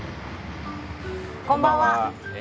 こんばんは。